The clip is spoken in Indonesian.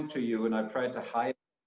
dan saya mencoba untuk menghidupkan